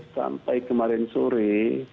sampai kemarin sore